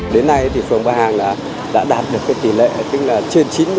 đến nay thì phường ba hàng đã đạt được cái tỷ lệ tính là trên chín mươi năm